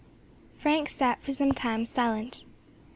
Frank sat for some time silent.